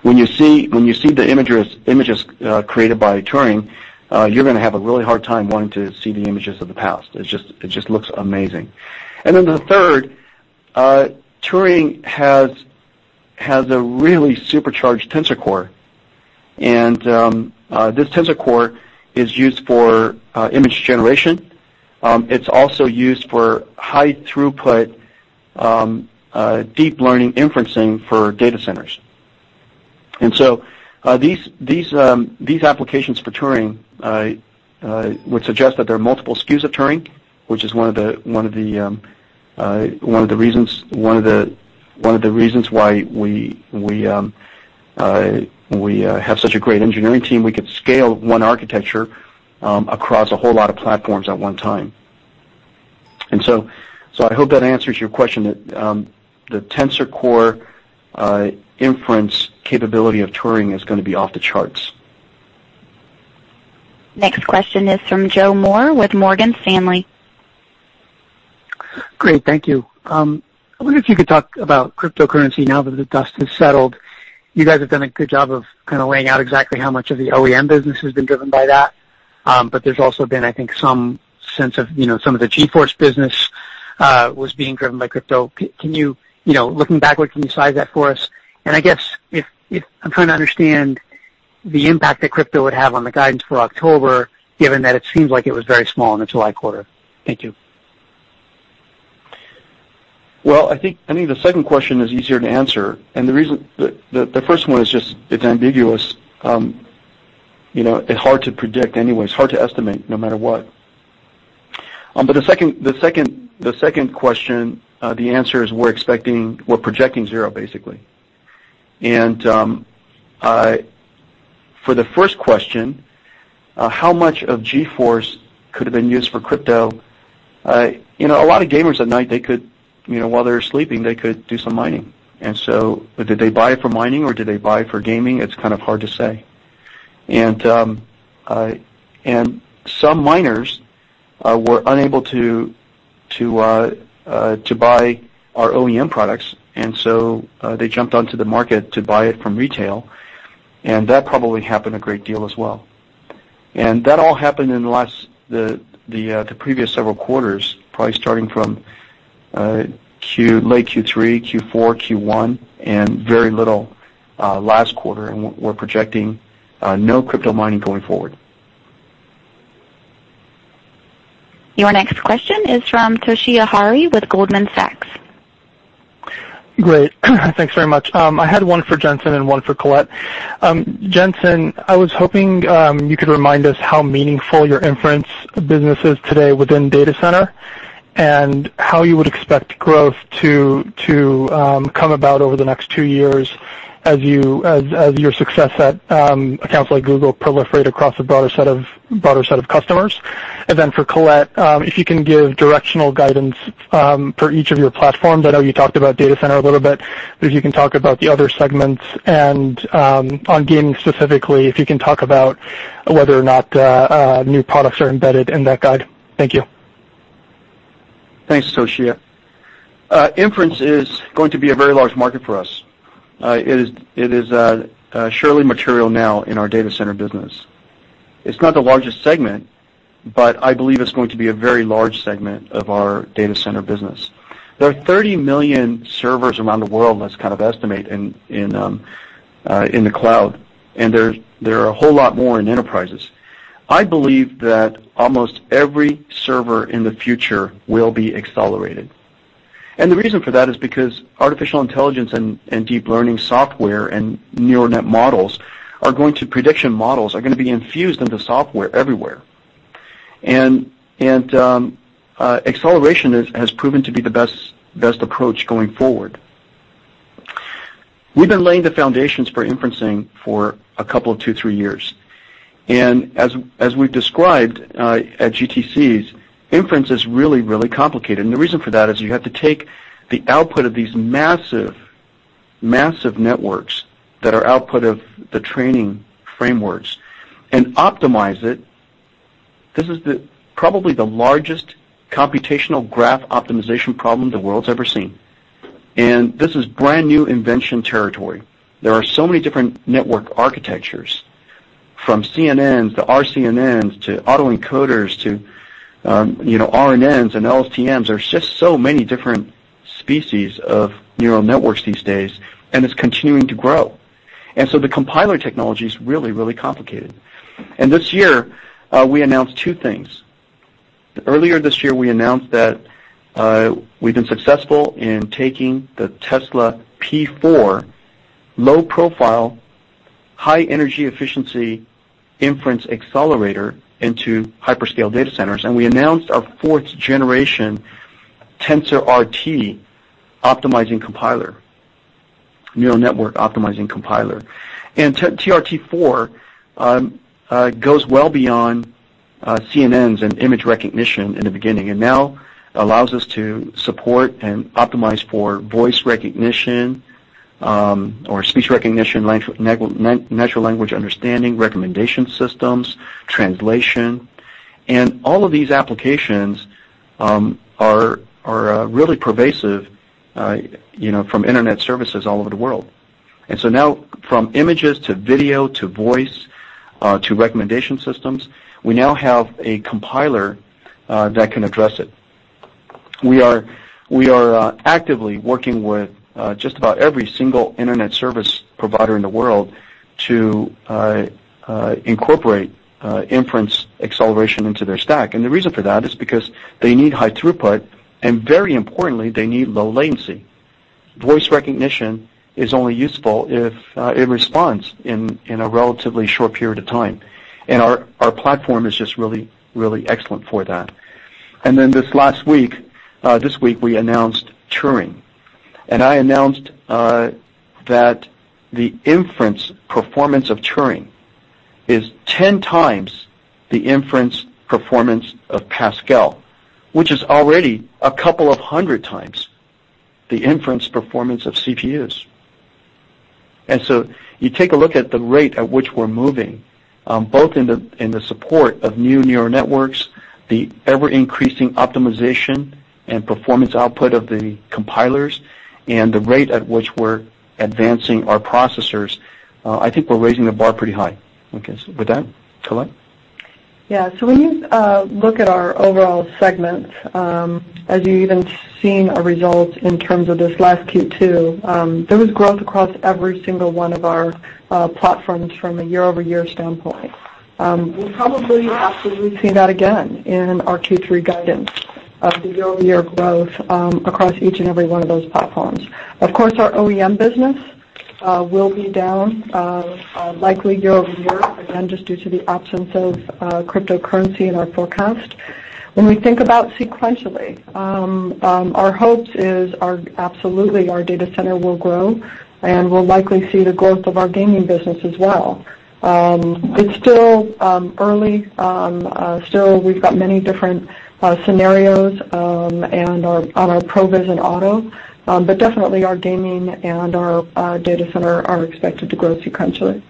When you see the images created by Turing, you're going to have a really hard time wanting to see the images of the past. It just looks amazing. The third, Turing has a really supercharged Tensor Core. This Tensor Core is used for image generation. It's also used for high throughput deep learning inferencing for data centers. These applications for Turing would suggest that there are multiple SKUs of Turing, which is one of the reasons why we have such a great engineering team. We could scale one architecture across a whole lot of platforms at one time. I hope that answers your question, that the Tensor Core inference capability of Turing is going to be off the charts. Next question is from Joseph Moore with Morgan Stanley. Great. Thank you. I wonder if you could talk about cryptocurrency now that the dust has settled. You guys have done a good job of kind of laying out exactly how much of the OEM business has been driven by that. There's also been, I think, some sense of some of the GeForce business was being driven by crypto. Looking backward, can you size that for us? I guess, I'm trying to understand the impact that crypto would have on the guidance for October, given that it seems like it was very small in the July quarter. Thank you. Well, I think the second question is easier to answer. The reason the first one is just, it's ambiguous. It's hard to predict anyway. It's hard to estimate no matter what. The second question, the answer is we're expecting, we're projecting zero, basically. For the first question, how much of GeForce could have been used for crypto? A lot of gamers at night, while they're sleeping, they could do some mining. Did they buy it for mining or did they buy for gaming? It's kind of hard to say. Some miners were unable to buy our OEM products, they jumped onto the market to buy it from retail, and that probably happened a great deal as well. That all happened in the previous several quarters, probably starting from late Q3, Q4, Q1, very little last quarter, we're projecting no crypto mining going forward. Your next question is from Toshiya Hari with Goldman Sachs. Great. Thanks very much. I had one for Jensen and one for Colette. Jensen, I was hoping you could remind us how meaningful your inference business is today within Data Center and how you would expect growth to come about over the next two years as your success at accounts like Google proliferate across a broader set of customers. Then for Colette, if you can give directional guidance for each of your platforms. I know you talked about Data Center a little bit. If you can talk about the other segments and on gaming specifically, if you can talk about whether or not new products are embedded in that guide. Thank you. Thanks, Toshiya. Inference is going to be a very large market for us. It is surely material now in our Data Center business. It's not the largest segment. I believe it's going to be a very large segment of our Data Center business. There are 30 million servers around the world, let's kind of estimate, in the cloud. There are a whole lot more in enterprises. I believe that almost every server in the future will be accelerated. The reason for that is because artificial intelligence and deep learning software and neural net models, prediction models, are going to be infused into software everywhere. Acceleration has proven to be the best approach going forward. We've been laying the foundations for inferencing for a couple, two, three years. As we've described at GTCs, inference is really, really complicated. The reason for that is you have to take the output of these massive networks that are output of the training frameworks and optimize it. This is probably the largest computational graph optimization problem the world's ever seen. This is brand-new invention territory. There are so many different network architectures, from CNNs to R-CNNs, to autoencoders, to RNNs and LSTMs. There's just so many different species of neural networks these days. It's continuing to grow. The compiler technology is really, really complicated. This year, we announced two things. Earlier this year, we announced that we've been successful in taking the Tesla P4 low-profile, high-energy efficiency inference accelerator into hyperscale data centers. We announced our fourth generation TensorRT optimizing compiler, neural network optimizing compiler. TRT4 goes well beyond CNNs and image recognition in the beginning, and now allows us to support and optimize for voice recognition, or speech recognition, natural language understanding, recommendation systems, translation. All of these applications are really pervasive from internet services all over the world. Now from images to video, to voice, to recommendation systems, we now have a compiler that can address it. We are actively working with just about every single internet service provider in the world to incorporate inference acceleration into their stack. The reason for that is because they need high throughput, and very importantly, they need low latency. Voice recognition is only useful if it responds in a relatively short period of time. Our platform is just really excellent for that. This last week, this week, we announced Turing. I announced that the inference performance of Turing is 10 times the inference performance of Pascal, which is already a couple of hundred times the inference performance of CPUs. You take a look at the rate at which we're moving, both in the support of new neural networks, the ever-increasing optimization and performance output of the compilers, and the rate at which we're advancing our processors. I think we're raising the bar pretty high. Okay. With that, Colette. Yeah. When you look at our overall segments, as you even seen our results in terms of this last Q2, there was growth across every single one of our platforms from a year-over-year standpoint. We'll probably absolutely see that again in our Q3 guidance of the year-over-year growth across each and every one of those platforms. Of course, our OEM business will be down, likely year-over-year, again, just due to the absence of cryptocurrency in our forecast. When we think about sequentially, our hopes is absolutely our data center will grow, and we'll likely see the growth of our gaming business as well. It's still early. Still, we've got many different scenarios on our ProViz and Auto. Definitely our gaming and our data center are expected to grow sequentially.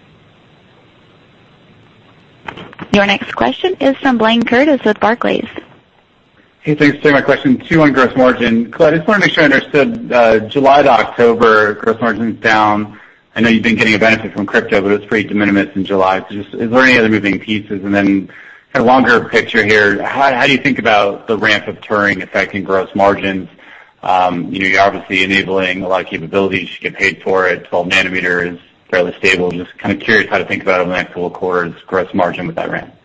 Your next question is from Blayne Curtis with Barclays. Hey, thanks. My question too on gross margin. Colette, I just want to make sure I understood July to October gross margins down. I know you've been getting a benefit from crypto, but it's pretty de minimis in July. Just, is there any other moving pieces? Kind of longer picture here, how do you think about the ramp of Turing affecting gross margins? You're obviously enabling a lot of capabilities. You should get paid for it. 12 nanometer is fairly stable. I'm just kind of curious how to think about over the next couple of quarters gross margin with that ramp.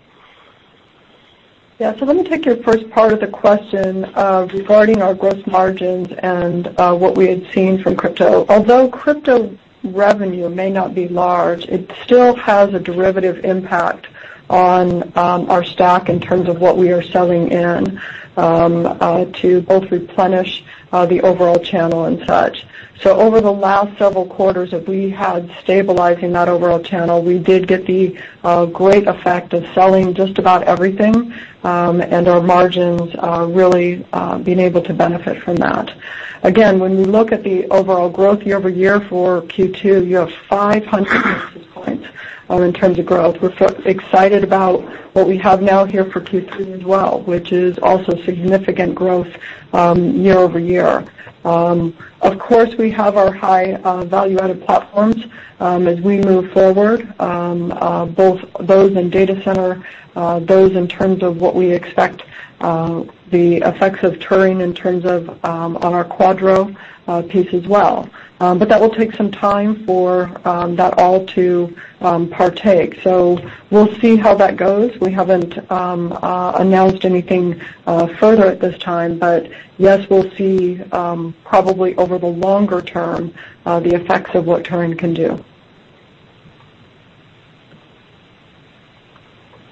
Yeah. Let me take your first part of the question regarding our gross margins and what we had seen from crypto. Although crypto revenue may not be large, it still has a derivative impact on our stock in terms of what we are selling in to both replenish the overall channel and such. Over the last several quarters that we had stabilizing that overall channel, we did get the great effect of selling just about everything, and our margins really being able to benefit from that. Again, when you look at the overall growth year-over-year for Q2, you have 500 basis points in terms of growth. We're excited about what we have now here for Q3 as well, which is also significant growth year-over-year. Of course, we have our high value-added platforms as we move forward, both those in data center, those in terms of what we expect the effects of Turing in terms of on our Quadro piece as well. That will take some time for that all to partake. We'll see how that goes. We haven't announced anything further at this time. Yes, we'll see probably over the longer term, the effects of what Turing can do.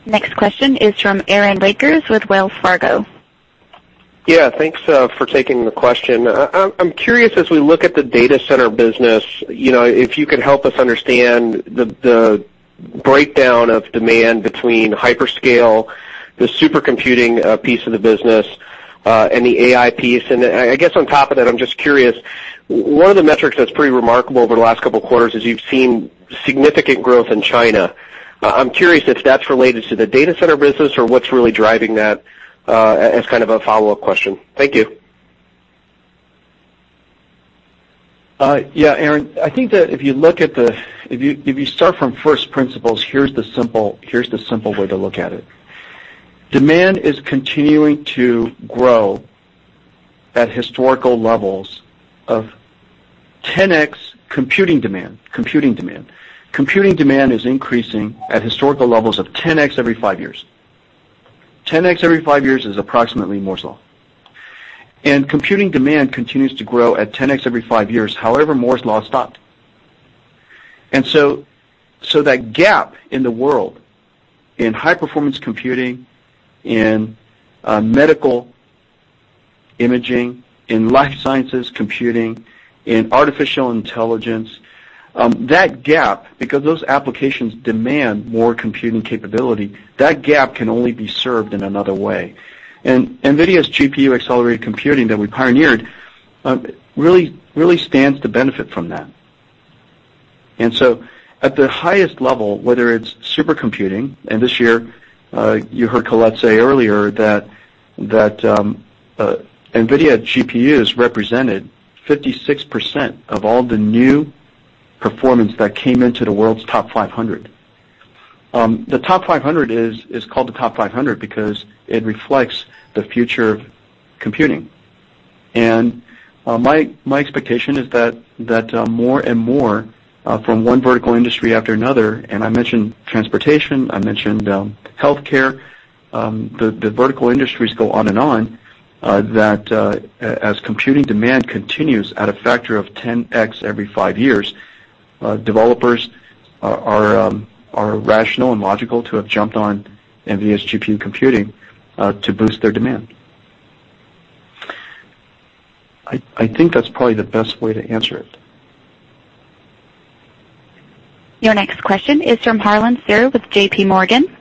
Next question is from Aaron Rakers with Wells Fargo. Yeah. Thanks for taking the question. I'm curious as we look at the data center business, if you could help us understand the breakdown of demand between hyperscale, the supercomputing piece of the business, and the AI piece. I guess on top of that, I'm just curious, one of the metrics that's pretty remarkable over the last two quarters is you've seen significant growth in China. I'm curious if that's related to the data center business or what's really driving that as kind of a follow-up question. Thank you. Yeah, Aaron. I think that if you start from first principles, here's the simple way to look at it. Demand is continuing to grow at historical levels of 10x computing demand. Computing demand is increasing at historical levels of 10x every five years. 10x every five years is approximately Moore's Law. Computing demand continues to grow at 10x every five years, however Moore's Law stopped. That gap in the world in high-performance computing, in medical imaging, in life sciences computing, in artificial intelligence, that gap, because those applications demand more computing capability, that gap can only be served in another way. NVIDIA's GPU-accelerated computing that we pioneered really stands to benefit from that. At the highest level, whether it's supercomputing, this year, you heard Colette say earlier that NVIDIA GPUs represented 56% of all the new performance that came into the world's TOP500. The TOP500 is called the TOP500 because it reflects the future of computing. My expectation is that more and more from one vertical industry after another, I mentioned transportation, I mentioned healthcare, the vertical industries go on and on, that as computing demand continues at a factor of 10x every five years, developers are rational and logical to have jumped on NVIDIA's GPU computing to boost their demand. I think that's probably the best way to answer it. Your next question is from Harlan Sur with J.P. Morgan.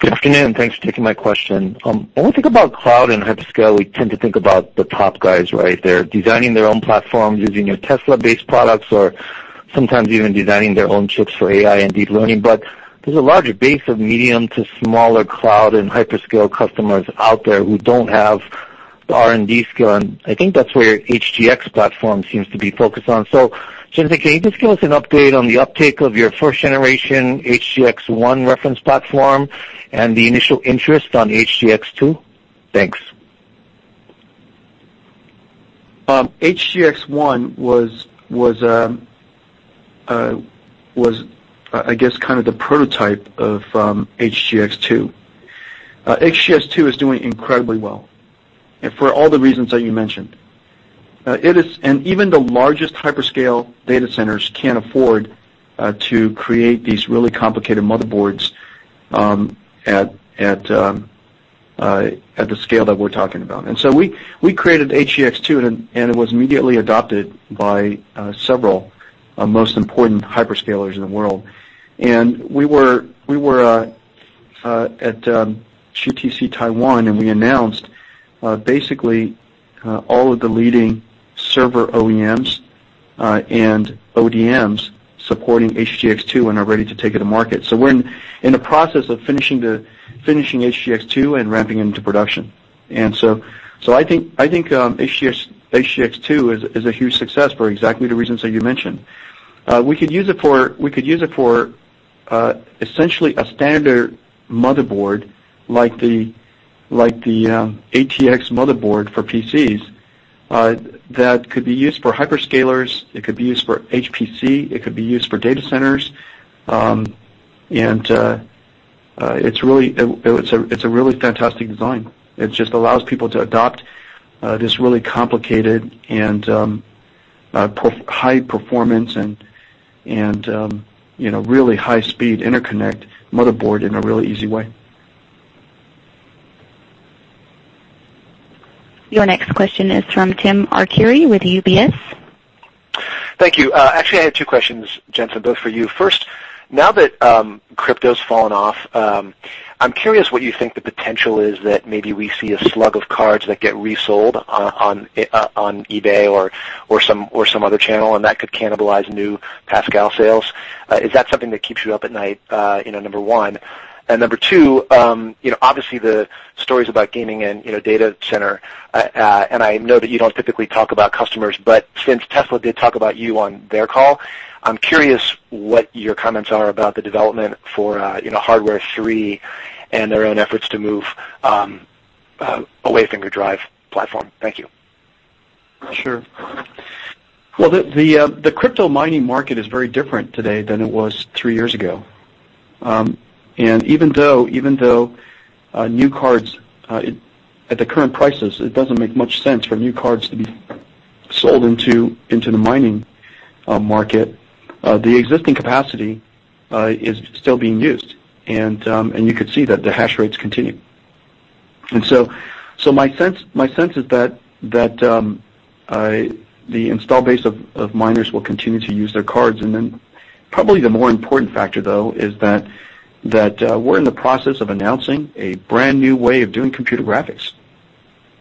Good afternoon. Thanks for taking my question. When we think about cloud and hyperscale, we tend to think about the top guys, right? They're designing their own platforms using your Tesla-based products or sometimes even designing their own chips for AI and deep learning. There's a larger base of medium to smaller cloud and hyperscale customers out there who don't have the R&D skill, and I think that's where your HGX platform seems to be focused on. Jensen, can you just give us an update on the uptake of your first generation HGX-1 reference platform and the initial interest on HGX-2? Thanks. HGX-1 was, I guess, kind of the prototype of HGX-2. HGX-2 is doing incredibly well, and for all the reasons that you mentioned. Even the largest hyperscale data centers can't afford to create these really complicated motherboards at the scale that we're talking about. We created HGX-2, and it was immediately adopted by several most important hyperscalers in the world. We were at GTC Taiwan, and we announced basically all of the leading server OEMs and ODMs supporting HGX-2 and are ready to take it to market. We're in the process of finishing HGX-2 and ramping into production. I think HGX-2 is a huge success for exactly the reasons that you mentioned. We could use it for essentially a standard motherboard like the ATX motherboard for PCs that could be used for hyperscalers, it could be used for HPC, it could be used for data centers, it's a really fantastic design. It just allows people to adopt this really complicated and high performance, and really high-speed interconnect motherboard in a really easy way. Your next question is from Timothy Arcuri with UBS. Thank you. Actually, I had two questions, Jensen, both for you. First, now that crypto's fallen off, I'm curious what you think the potential is that maybe we see a slug of cards that get resold on eBay or some other channel, and that could cannibalize new Pascal sales. Is that something that keeps you up at night, number one? Number two, obviously the stories about gaming and data center, and I know that you don't typically talk about customers, but since Tesla did talk about you on their call, I'm curious what your comments are about the development for Hardware 3 and their own efforts to move away from your DRIVE platform. Thank you. Sure. Well, the crypto mining market is very different today than it was three years ago. Even though new cards at the current prices, it doesn't make much sense for new cards to be sold into the mining market, the existing capacity is still being used, and you could see that the hash rates continue. My sense is that the install base of miners will continue to use their cards, then probably the more important factor, though, is that we're in the process of announcing a brand new way of doing computer graphics.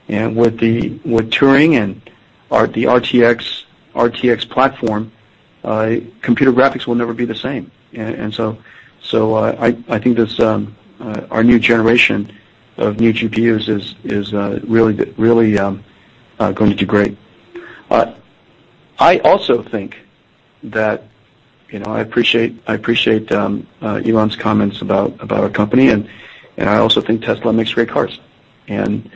With Turing and the RTX platform, computer graphics will never be the same. I think our new generation of new GPUs is really going to do great. I also think that I appreciate Elon's comments about our company, I also think Tesla makes great cars, and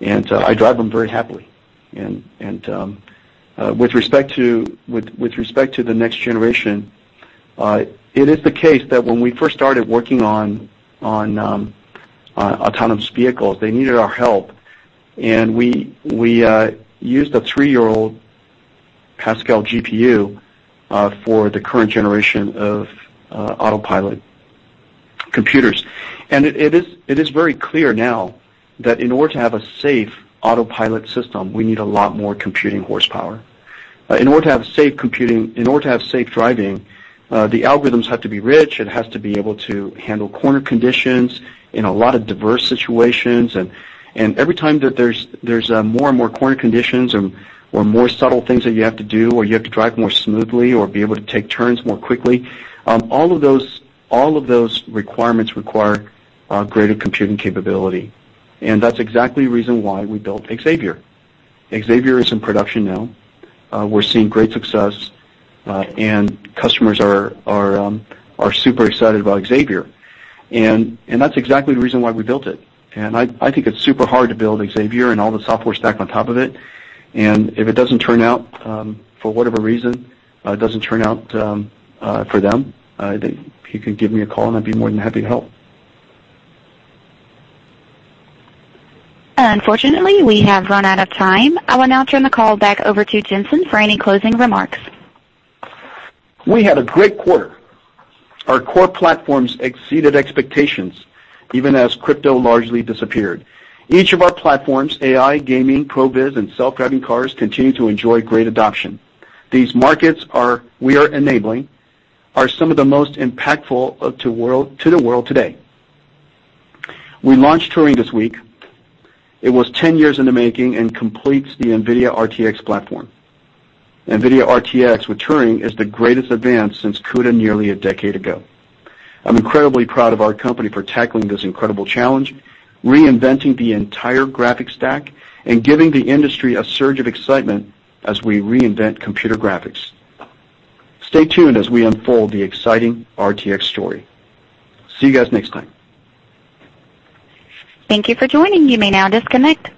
I drive them very happily. With respect to the next generation, it is the case that when we first started working on autonomous vehicles, they needed our help, and we used a three-year-old Pascal GPU for the current generation of Autopilot computers. It is very clear now that in order to have a safe Autopilot system, we need a lot more computing horsepower. In order to have safe driving, the algorithms have to be rich, it has to be able to handle corner conditions in a lot of diverse situations. Every time that there's more and more corner conditions or more subtle things that you have to do, or you have to drive more smoothly or be able to take turns more quickly, all of those requirements require greater computing capability. That's exactly the reason why we built Xavier. Xavier is in production now. We're seeing great success, and customers are super excited about Xavier. That's exactly the reason why we built it. I think it's super hard to build Xavier and all the software stack on top of it, and if it doesn't turn out, for whatever reason, it doesn't turn out for them, he can give me a call, and I'd be more than happy to help. Unfortunately, we have run out of time. I will now turn the call back over to Jensen for any closing remarks. We had a great quarter. Our core platforms exceeded expectations, even as crypto largely disappeared. Each of our platforms, AI, gaming, ProViz, and self-driving cars, continue to enjoy great adoption. These markets we are enabling are some of the most impactful to the world today. We launched Turing this week. It was 10 years in the making and completes the NVIDIA RTX platform. NVIDIA RTX with Turing is the greatest advance since CUDA nearly a decade ago. I'm incredibly proud of our company for tackling this incredible challenge, reinventing the entire graphics stack, and giving the industry a surge of excitement as we reinvent computer graphics. Stay tuned as we unfold the exciting RTX story. See you guys next time. Thank you for joining. You may now disconnect.